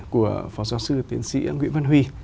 của phó giáo sư tiến sĩ nguyễn văn huy